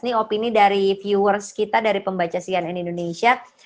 ini opini dari viewers kita dari pembaca cnn indonesia